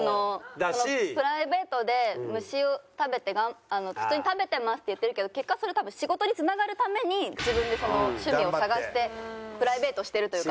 プライベートで虫を食べて食べてますって言ってるけど結果それ多分仕事につながるために自分で趣味を探してプライベートしてるというか。